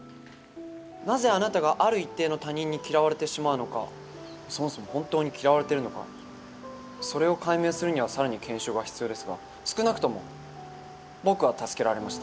なぜ、あなたがある一定の他人に嫌われてしまうのかそもそも本当に嫌われてるのかそれを解明するには更に検証が必要ですがえっ？